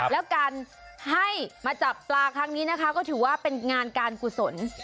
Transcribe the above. แล้วการให้มาจับปลาครั้งนี้นะคะก็ถือว่าเป็นงานการกุศล